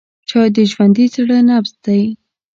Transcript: چای د ژوندي زړه نبض دی.